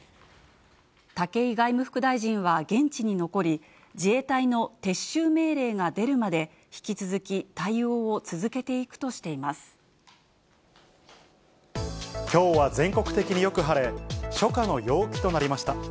武井外務副大臣は現地に残り、自衛隊の撤収命令が出るまで、引き続き対応を続けていくとしてきょうは全国的によく晴れ、初夏の陽気となりました。